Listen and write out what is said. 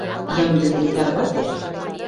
— Ямде гын, тарвате!